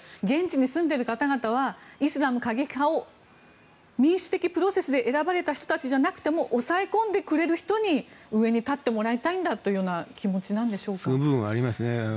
現地に住んでいる方々はイスラム過激派を民主的プロセスで選ばれた人たちではなくても抑え込んでくれる人に上に立ってもらいたいという気持ちなんですね。